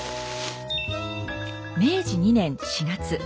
明治２年４月。